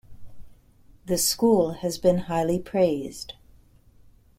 The school has been highly praised.